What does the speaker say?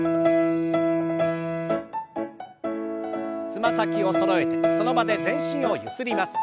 つま先をそろえてその場で全身をゆすります。